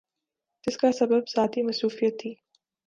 جس کا سبب ذاتی مصروفیت تھی ۔